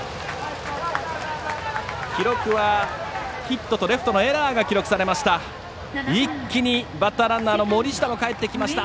記録はヒットとレフトのエラーが記録されました。